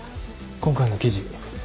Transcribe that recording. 今回の記事。